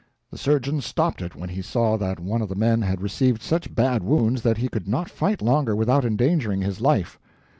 The surgeon stopped it when he saw that one of the men had received such bad wounds that he could not fight longer without endangering his life.